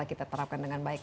kita terapkan dengan baik